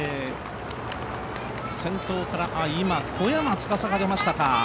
先頭から今、小山司が出ましたか。